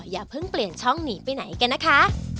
อย่าเพิ่งเปลี่ยนช่องหนีไปไหนกันนะคะ